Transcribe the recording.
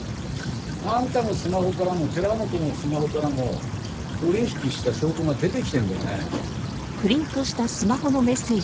あんたのスマホからも寺本のスマホからも取引した証拠が出てきてるんだよね。